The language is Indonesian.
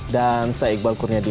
dan saya iqbal kurnia di